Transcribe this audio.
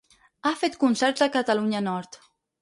Ha fet concerts a Catalunya Nord: